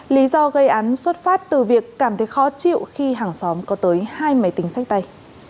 lý do gây án xuất phát từ việc cảm thấy khó chịu khi hàng xóm có tới hai máy tính sách tay